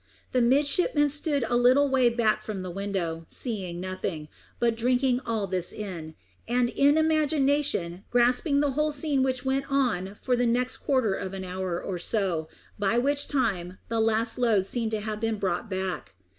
The midshipman stood a little way back from the window, seeing nothing, but drinking all this in, and in imagination grasping the whole scene which went on for the next quarter of an hour or so, by which time the last load seemed to have been brought back.